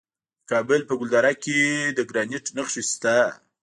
د کابل په ګلدره کې د ګرانیټ نښې شته.